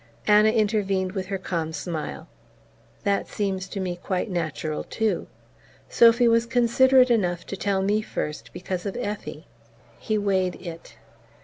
Anna intervened with her calm smile. "That seems to me quite natural, too. Sophy was considerate enough to tell me first because of Effie." He weighed it.